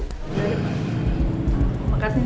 terima kasih pak